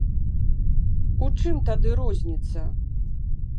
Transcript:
У чым тады розніца?